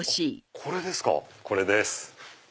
これです。